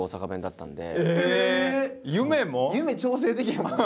夢調整できへんわな。